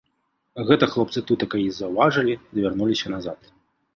Гэта хлопцы тутака й заўважылі ды вярнуліся назад.